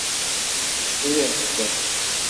Sriɣ-t.